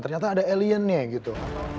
ternyata ada aliennya gitu